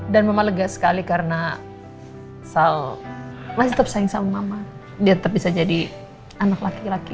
dan memalukan sekali karena sal masih tetap sayang sama dia tetap bisa jadi anak laki laki